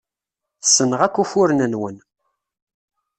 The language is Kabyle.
Ssneɣ akk ufuren-nwen.